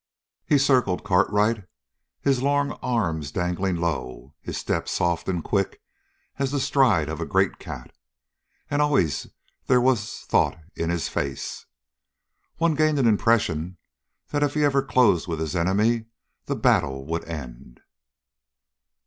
He circled Cartwright, his long arms dangling low, his step soft and quick as the stride of a great cat, and always there was thought in his face. One gained an impression that if ever he closed with his enemy the battle would end.